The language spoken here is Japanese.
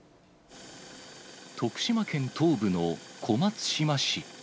徳島県東部の小松島市。